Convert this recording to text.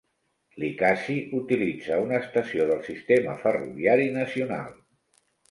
Likasi utilitza una estació del sistema ferroviari nacional.